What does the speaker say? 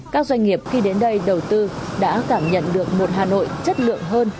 các doanh nghiệp khi đến đây đầu tư đã cảm nhận được một hà nội chất lượng hơn